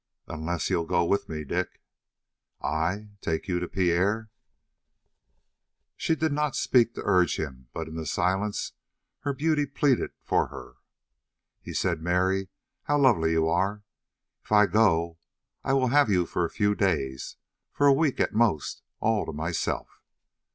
"Unless you'll go with me, Dick?" "I? Take you to Pierre?" She did not speak to urge him, but in the silence her beauty pleaded for her. He said: "Mary, how lovely you are. If I go I will have you for a few days for a week at most, all to myself."